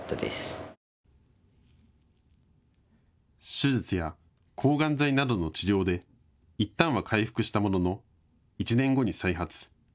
手術や抗がん剤などの治療でいったんは回復したものの１年後に再発。